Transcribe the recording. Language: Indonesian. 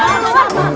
bang rijal bang rijal